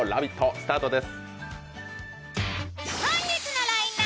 スターです。